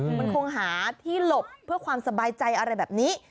มันคงหาที่หลบเพื่อความสบายใจอะไรแบบนี้